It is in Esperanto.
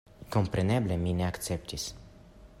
Kompreneble mi ne akceptis.